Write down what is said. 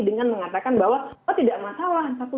dengan mengatakan bahwa oh tidak masalah